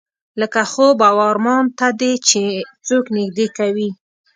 لکه خوب او ارمان ته دې چې څوک نږدې کوي.